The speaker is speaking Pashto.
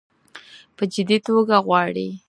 په جدي توګه غواړي.